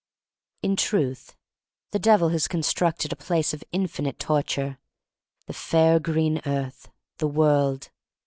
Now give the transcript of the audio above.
In truth, the Devil has constructed a place of infinite torture — the fair green earth, the world.